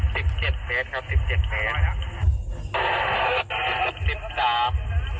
สิบเจ็ดเซตครับสิบเจ็ดเซตสิบสาม